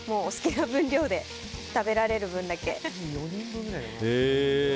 お好きな分量で食べられる分だけ。